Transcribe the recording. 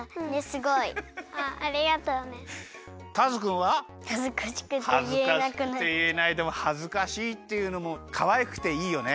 はずかしくていえないでもはずかしいっていうのもかわいくていいよね！